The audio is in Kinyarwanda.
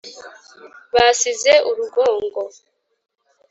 basize ari urugongo,